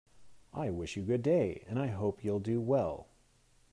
I wish you good day, and I hope you'll do well.